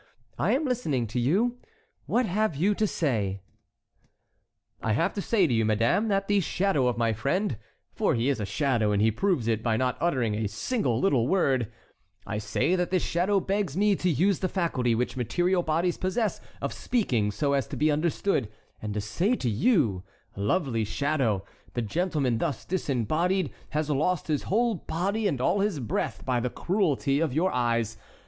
I am listening to you. What have you to say?" "I have to say to you, madame, that the shadow of my friend—for he is a shadow, and he proves it by not uttering a single little word—I say, that this shadow begs me to use the faculty which material bodies possess of speaking so as to be understood, and to say to you: Lovely shadow, the gentleman thus disembodied has lost his whole body and all his breath by the cruelty of your eyes.